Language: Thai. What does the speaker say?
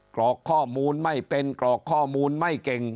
กรอกข้อมูลไม่เป็นกรอกข้อมูลไม่เก่ง